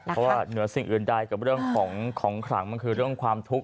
เพราะว่าเหนือสิ่งอื่นใดกับเรื่องของของขลังมันคือเรื่องความทุกข์